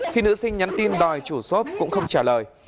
khi nữ sinh nhắn tin đòi chủ xốp cũng không trả lời